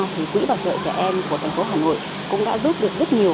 thì quỹ bảo trợ trẻ em của thành phố hà nội cũng đã giúp được rất nhiều